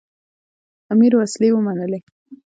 امیر وسلې ومنلې.